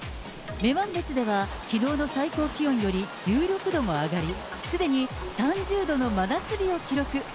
女満別では、きのうの最高気温より１６度も上がり、すでに３０度の真夏日を記録。